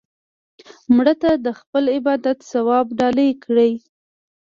مړه ته د خپل عبادت ثواب ډالۍ کړه